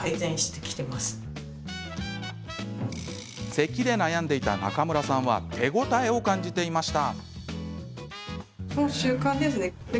せきで悩んでいた中村さんは手応えを感じていました。